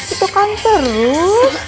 itu kan terus